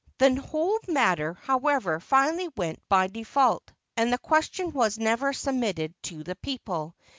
The whole matter, however, finally went by default, and the question was never submitted to the people.